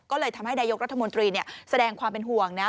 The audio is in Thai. ก็เลยทำให้นายกรัฐมนตรีแสดงความเป็นห่วงนะ